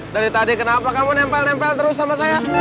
dari tadi kenapa kamu nempel nempel terus sama saya